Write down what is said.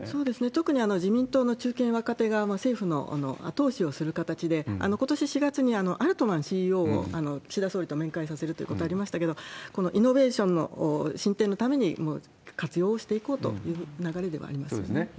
特に自民党の中堅、若手が政府の後押しをする形で、ことし４月にアルトマンＣＥＯを岸田総理と面会させるということがありましたけれども、このイノベーションの進展のために活用していこうという流れではそうですね。